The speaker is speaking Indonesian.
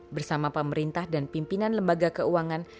bersama pemerintah dan pimpinan lembaga keuangan